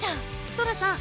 ソラさん